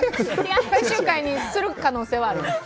最終回にする可能性はあります。